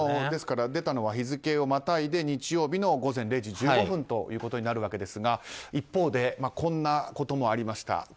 出たのは日付をまたいで日曜日の午前０時１５分ということになるわけですが一方でこんなこともありました。